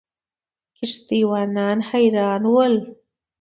کښتۍ وانان حیران ول.